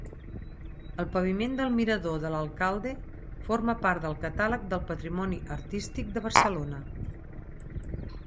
El paviment del Mirador de l'Alcalde forma part del Catàleg del Patrimoni Artístic de Barcelona.